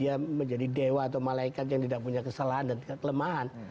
dia menjadi dewa atau malaikat yang tidak punya kesalahan dan kelemahan